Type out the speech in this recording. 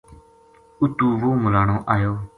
اُتو وہ ملانو آیو